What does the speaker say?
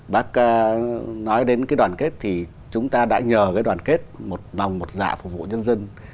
bác nói đến cái đoàn kết thì chúng ta đã nhờ cái đoàn kết một lòng một dạ phục vụ nhân dân